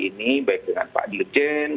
ini baik dengan pak dirjen